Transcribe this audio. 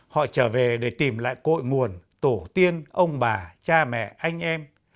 họ trở về để tìm lại cội nguồn tổ tiên ông bà cha mẹ anh em